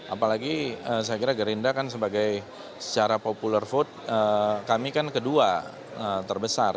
apalagi saya kira gerindra kan sebagai secara popular vote kami kan kedua terbesar